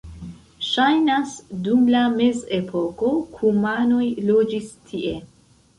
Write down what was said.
Ŝajnas, dum la mezepoko kumanoj loĝis tie.